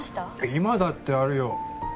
今だってあるよ